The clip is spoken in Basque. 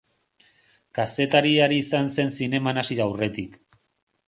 Kazetari ari izan zen zineman hasi aurretik.